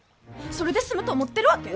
それで済むと思ってるわけ？